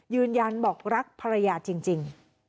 ยืนยันบอกรักภรรยาจริง